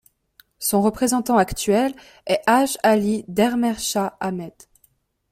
Son représentant actuel est Hajj Ali Dermesha Ahmed.